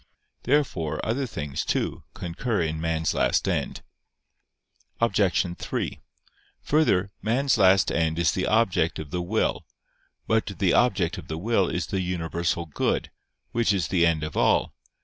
Therefore other things, too, concur in man's last end. Obj. 3: Further, man's last end is the object of the will. But the object of the will is the universal good, which is the end of all.